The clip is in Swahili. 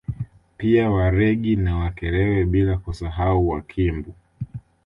Pia Waregi na Wakerewe bila kusahau Wakimbu